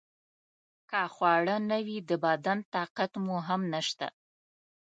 که خواړه نه وي د بدن طاقت مو هم نشته.